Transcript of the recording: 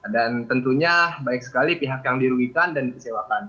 dan tentunya baik sekali pihak yang dirugikan dan disewakan